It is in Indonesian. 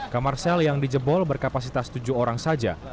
kamar sel yang dijebol berkapasitas tujuh orang saja